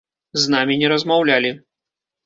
З намі не размаўлялі.